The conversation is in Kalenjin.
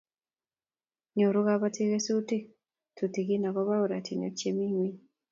nyoru kabotik kesutik tutegen akobo ortinwek che mi ng'weny.